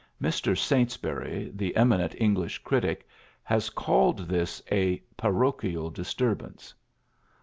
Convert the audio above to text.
Mr. Saintsbury, the ^ eminent English critic, has called this a "parochial disturbance.''